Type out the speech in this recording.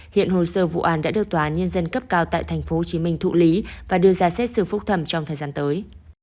hiện hồ sơ vụ án đã được tòa án nhân dân cấp cao tại tp hcm thụ lý và đưa ra xét xử phúc thẩm trong thời gian tới